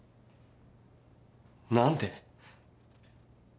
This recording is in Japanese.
何で？